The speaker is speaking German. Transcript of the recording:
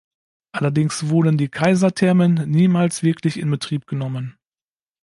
Allerdings wurden die Kaiserthermen niemals wirklich in Betrieb genommen.